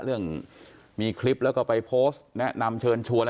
เรื่องมีคลิปแล้วก็ไปโพสต์แนะนำเชิญชวนอะไร